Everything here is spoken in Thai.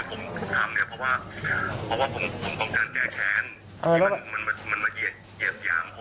คุณปภาษฐ์มันเผ่าแฟน